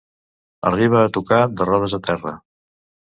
Arribar a tocar de rodes a terra.